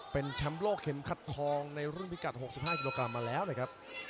เป็นแชมป์โลกเข็มขัดทองในรุ่นพิกัด๖๕กิโลกรัมมาแล้วนะครับ